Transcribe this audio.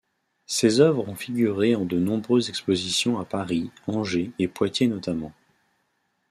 Ses œuvres ont figuré en de nombreuses expositions à Paris, Angers et Poitiers notamment.